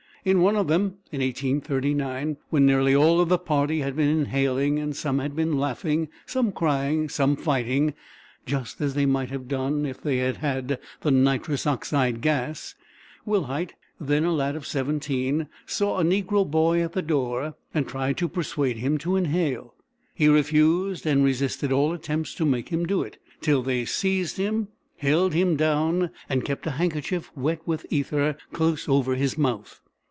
In one of them, in 1839, when nearly all of the party had been inhaling and some had been laughing, some crying, some fighting just as they might have done if they had had the nitrous oxide gas Wilhite, then a lad of seventeen, saw a negro boy at the door and tried to persuade him to inhale. He refused and resisted all attempts to make him do it, till they seized him, held him down, and kept a handkerchief wet with ether close over his mouth.